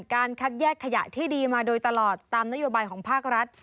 การคัดแยกขยะที่ดีมาโดยตลอดตามนโยบายของภาครัฐ